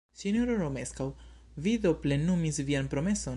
Sinjoro Romeskaŭ, vi do plenumis vian promeson?